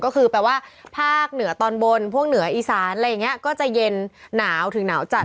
ก็คือแปลว่าภาคเหนือตอนบนพวกเหนืออีสานอะไรอย่างนี้ก็จะเย็นหนาวถึงหนาวจัด